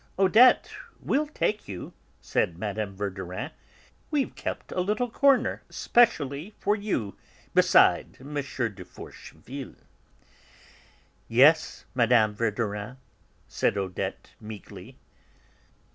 "Odette, we'll take you," said Mme. Verdurin, "we've kept a little corner specially for you, beside M. de Forcheville." "Yes, Mme. Verdurin," said Odette meekly.